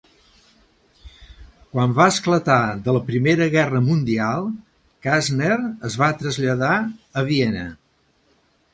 Quan va esclatar de la Primera Guerra Mundial, Kassner es va traslladar a Viena.